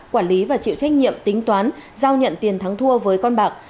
quản lý và chịu trách nhiệm tính toán giao nhận tiền thắng thua với con bạc